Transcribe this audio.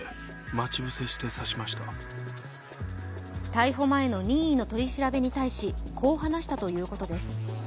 逮捕前の任意の取り調べに対し、こう話したということです。